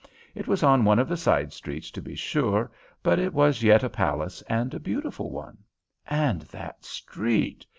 It was on one of the side streets, to be sure, but it was yet a palace, and a beautiful one. And that street!